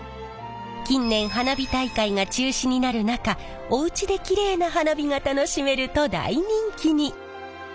近年花火大会が中止になる中おうちできれいな花火が楽しめると大人気に。